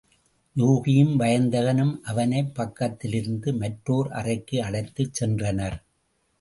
யூகியும் வயந்தகனும் அவனைப் பக்கத்திலிருந்த மற்றோர் அறைக்கு அழைத்துச் சென்றனர்.